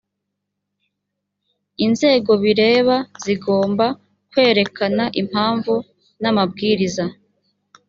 inzego bireba zigomba kwerekana impamvu namabwiriza.